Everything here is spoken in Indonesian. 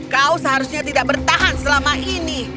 kau seharusnya tidak bertahan selama ini